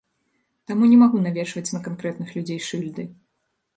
Таму не магу навешваць на канкрэтных людзей шыльды.